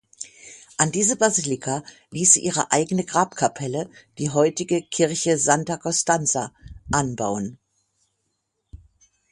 An diese Basilika ließ sie ihre eigene Grabkapelle, die heutige Kirche Santa Costanza, anbauen.